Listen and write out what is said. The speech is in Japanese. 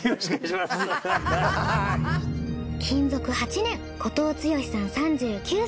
勤続８年後藤剛さん３９歳。